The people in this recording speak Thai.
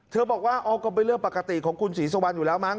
บอกว่าอ๋อก็เป็นเรื่องปกติของคุณศรีสุวรรณอยู่แล้วมั้